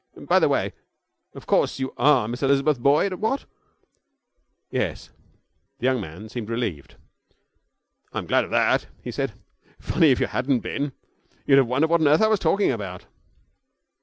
'By the way, of course you are Miss Elizabeth Boyd, what?' 'Yes.' The young man seemed relieved. 'I'm glad of that,' he said. 'Funny if you hadn't been. You'd have wondered what on earth I was talking about.'